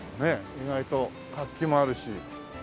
意外と活気もあるし。